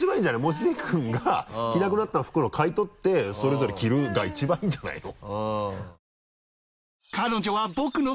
望月君が着なくなった服を買い取ってそれぞれ着るが一番いいんじゃないの？